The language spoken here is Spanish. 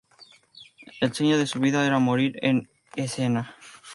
El sueño de su vida era morir en escena.